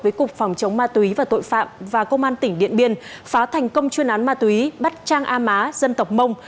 với cục phòng chống ma túy và tội phạm và công an tỉnh điện biên phá thành công chuyên án ma túy bắt trang a má dân tộc mông